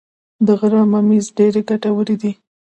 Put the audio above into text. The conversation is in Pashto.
د غره ممیز ډیر ګټور دي